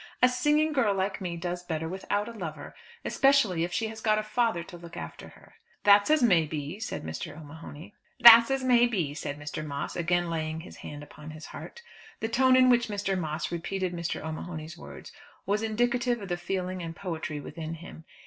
"A singing girl like me does better without a lover, especially if she has got a father to look after her." "That's as may be," said Mr. O'Mahony. "That's as may be," said Mr. Moss, again laying his hand upon his heart. The tone in which Mr. Moss repeated Mr. O'Mahony's words was indicative of the feeling and poetry within him.